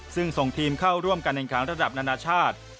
ซึ่งส่งทีมเข้าร่วมกันในการระดับนานาชาติ